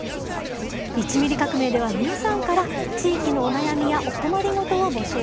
「１ミリ革命」では皆さんから地域のお悩みやお困りごとを募集しています。